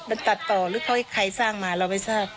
มันตัดต่อหรือเขาให้ใครสร้างมาเราไม่ทราบ